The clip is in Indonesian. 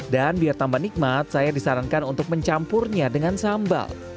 dan biar tambah nikmat saya disarankan untuk mencampurnya dengan sambal